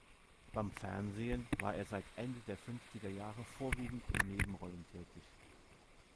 Beim Fernsehen war er seit Ende der fünfziger Jahre vorwiegend in Nebenrollen tätig.